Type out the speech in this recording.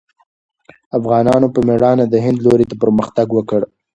افغانانو په مېړانه د هند لوري ته پرمختګ وکړ.